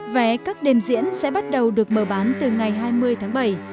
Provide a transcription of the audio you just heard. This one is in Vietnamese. vé các đêm diễn sẽ bắt đầu được mở bán từ ngày hai mươi tháng bảy